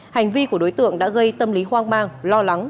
hành vi của đối tượng đã gây tâm lý hoang mang lo lắng